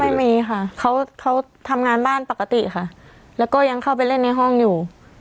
ไม่มีค่ะเขาเขาทำงานบ้านปกติค่ะแล้วก็ยังเข้าไปเล่นในห้องอยู่